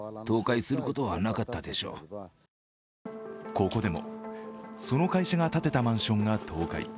ここでも、その会社が建てたマンションが倒壊。